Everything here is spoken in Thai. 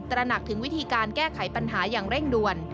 ระหนักถึงวิธีการแก้ไขปัญหาอย่างเร่งด่วน